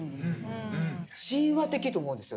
神話的と思うんですよ